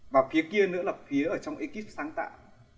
và phía kia nữa là phía ở trong ekip sáng tạo